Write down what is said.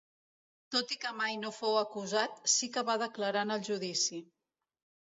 Tot i que mai no fou acusat sí que va declarar en el judici.